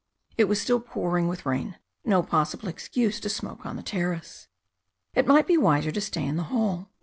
It was still pouring with rain. No possible excuse to smoke on the terrace. It might be wiser to stay in the hall.